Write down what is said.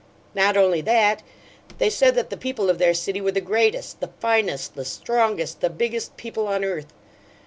Not only that, they said that the people of their city were the greatest, the "finest," the strongest, the Biggest people on earth.